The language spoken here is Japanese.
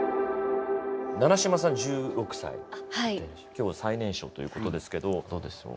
今日は最年少ということですけどどうでしょう？